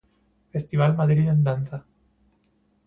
Festival Madrid en Danza.